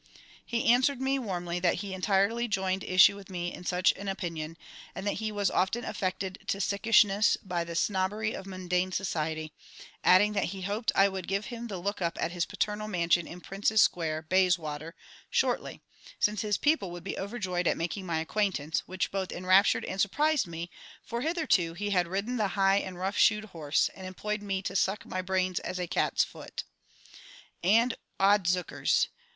He answered me warmly that he entirely joined issue with me in such an opinion, and that he was often affected to sickishness by the snobbery of mundane society, adding that he hoped I would give him the look up at his paternal mansion in Prince's Square, Bayswater, shortly, since his people would be overjoyed at making my acquaintance, which both enraptured and surprised me, for hitherto he had ridden the high and rough shoed horse, and employed me to suck my brains as a cat's foot. And odzookers!